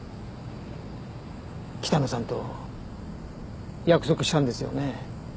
北野さんと約束したんですよね？